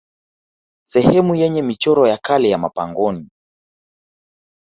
Sehemu yenye michoro ya kale ya mapangoni